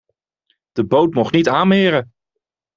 De boot mocht niet aanmeren.